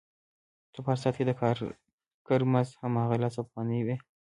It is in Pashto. که په هر ساعت کې د کارګر مزد هماغه لس افغانۍ وي